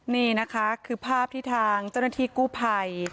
นี่นะคะคือภาพที่ทางเจ้าหน้าที่กู้ภัย